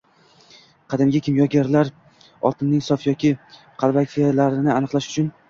Qadimgi kimyogarlar oltinning sof yoki qalbakiligini aniqlash uchun